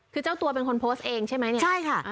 คือเจ้าตัวเป็นคนโพสต์เองใช่ไหมเนี่ยใช่ค่ะ